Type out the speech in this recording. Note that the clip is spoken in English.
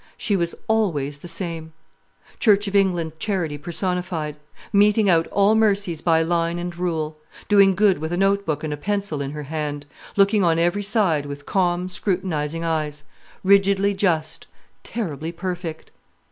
She was always the same, Church of England charity personified; meting out all mercies by line and rule; doing good with a note book and a pencil in her hand; looking on every side with calm, scrutinising eyes; rigidly just, terribly perfect.